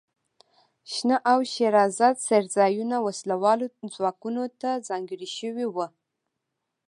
شنه او ښېرازه څړځایونه وسله والو ځواکونو ته ځانګړي شوي وو.